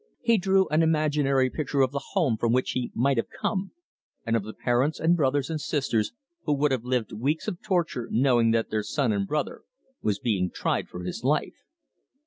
He drew an imaginary picture of the home from which he might have come, and of the parents and brothers and sisters who would have lived weeks of torture knowing that their son and brother was being tried for his life.